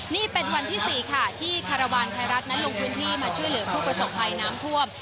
นี่เป็นวันที่๔ค่ะที่คารวาลไทยรัฐนั้นลงพื้นที่มาช่วยเหลือผู้ประสบภัยน้ำท่วม